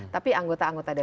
tapi anggota anggota dpr